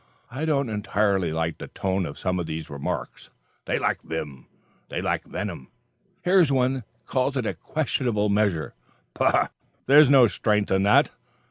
I don't entirely like the tone of some of these remarks. They lack vim, they lack venom. Here is one calls it a 'questionable measure.' Bah, there is no strength in that.